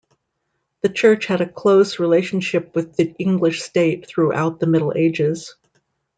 The Church had a close relationship with the English state throughout the Middle Ages.